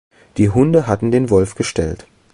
Die Hunde hatten den Wolf gestellt.